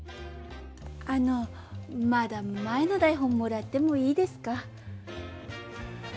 あのまだ前の台本もらってもいいですか？